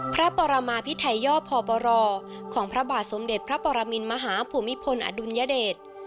พระปรมาพิไทยย่อพบรของพระบาทสมเด็จพระปรมินมหาภูมิพลอดุลยเดช